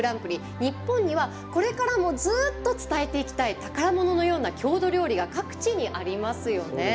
日本にはこれからもずっと伝えていきたい宝物のような郷土料理が各地にありますよね。